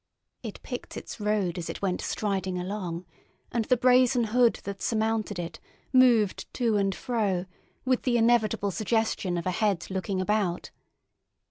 It picked its road as it went striding along, and the brazen hood that surmounted it moved to and fro with the inevitable suggestion of a head looking about.